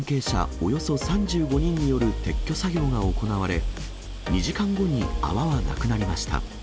およそ３５人による撤去作業が行われ、２時間後に泡はなくなりました。